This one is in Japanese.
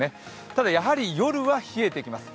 ただ、やはり夜は冷えてきます。